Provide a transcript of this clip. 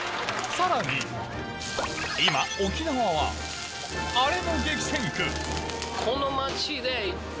さらに今沖縄はアレの激戦区！